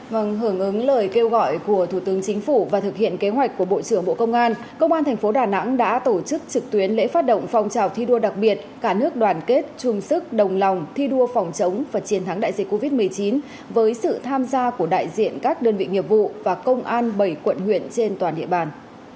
vâng hưởng ứng lời kêu gọi của thủ tướng chính phủ và thực hiện kế hoạch của bộ trưởng bộ công an công an thành phố đà nẵng đã tổ chức trực tuyến lễ phát động phong trào thi đua đặc biệt cả nước đoàn kết chung sức đồng lòng thi đua phòng chống và chiến thắng đại dịch covid một mươi chín với sự tham gia của đại diện các đơn vị nghiệp vụ và công an bảy quận huyện trên toàn địa bàn